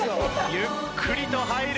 ゆっくりと入る。